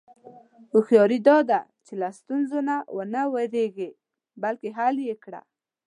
هوښیاري دا ده چې له ستونزو نه و نه وېرېږې، بلکې حل یې کړې.